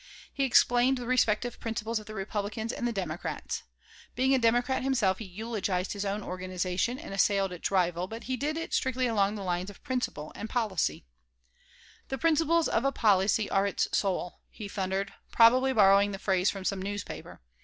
He explained the respective principles of the Republicans and the Democrats. Being a Democrat himself, he eulogized his own organization and assailed its rival, but he did it strictly along the lines of principle and policy "The principles of a party are its soul," he thundered, probably borrowing the phrase from some newspaper.